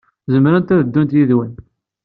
Zemrent ad ddunt yid-wen?